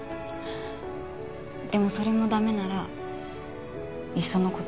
でもそれも駄目ならいっその事